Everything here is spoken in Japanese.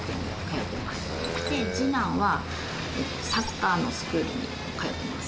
で次男はサッカーのスクールに通ってます。